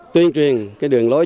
tuyên truyền đường lối truyền